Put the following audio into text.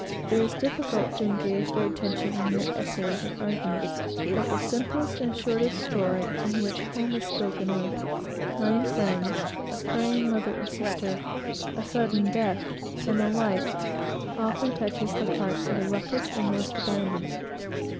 It is difficult to engage their attention in mere essays and arguments, but the simplest and shortest story, in which home is spoken of, kind friends, a praying mother or sister, a sudden death, and the like, often touches the heart of the roughest and most abandoned.